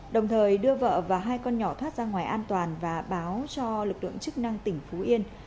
đồng thời đưa vợ và hai con nhỏ thoát ra ngoài an toàn và báo cho lực lượng chức năng tỉnh phú yên